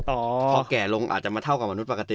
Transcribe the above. พอแก่ลงอาจจะมาเท่ากับมนุษย์ปกติ